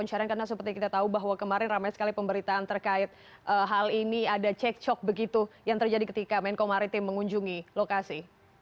karena seperti kita tahu bahwa kemarin ramai sekali pemberitaan terkait hal ini ada cek cok begitu yang terjadi ketika menko maritim mengunjungi lokasi